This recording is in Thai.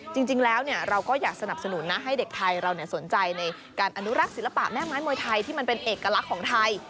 จริงแล้วเราก็อยากสนับสนุนนะให้เด็กไทยเราสนใจในการอนุรักษ์ศิลปะแม่ไม้มวยไทยที่มันเป็นเอกลักษณ์ของไทย